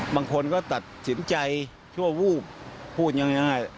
บางคนก็ตัดสินใจชั่ววูบพูดง่าย